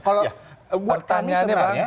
kalau buat kami sebenarnya